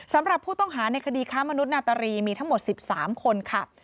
สำหรับผู้ต้องหาในคดีค้ามนุษนาตรีมีทั้งหมด๑๓คนค่ะ